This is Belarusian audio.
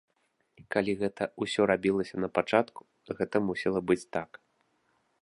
Калі гэта ўсё рабілася на пачатку, гэта мусіла быць так.